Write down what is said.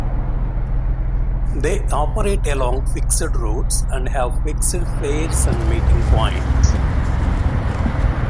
They operate along fixed routes, and have fixed fares and meeting points.